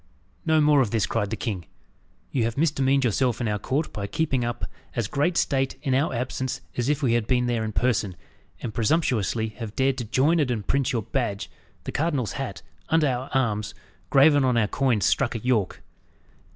"No more of this!" cried the king. "You have misdemeaned yourself in our court by keeping up as great state in our absence as if we had been there in person, and presumptuously have dared to join and imprint your badge, the cardinal's hat, under our arms, graven on our coins struck at York.